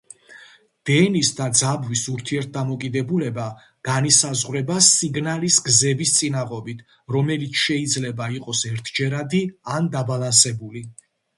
დენის და ძაბვის ურთიერთდამოკიდებულება განისაზღვრება სიგნალის გზების წინაღობით, რომელიც შეიძლება იყოს ერთჯერადი ან დაბალანსებული.